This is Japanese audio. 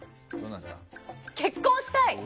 結婚したい！